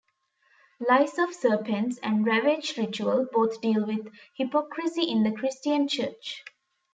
"Lies of Serpents" and "Ravage Ritual" both deal with hypocrisy in the Christian church.